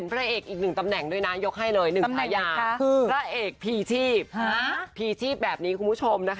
พีชีพแบบนี้คุณผู้ชม